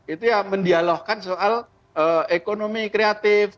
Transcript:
itu ya mendialogkan soal ekonomi kreatif